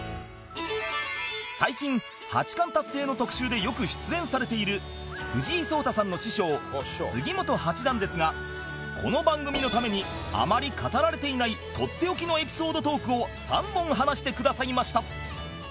最近八冠達成の特集でよく出演されている藤井聡太さんの師匠杉本八段ですがこの番組のためにあまり語られていないとっておきのエピソードトークを３本話してくださいました